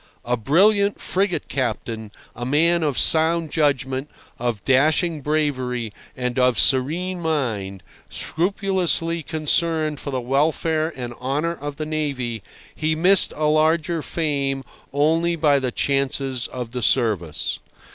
A brilliant frigate captain, a man of sound judgment, of dashing bravery and of serene mind, scrupulously concerned for the welfare and honour of the navy, he missed a larger fame only by the chances of the service.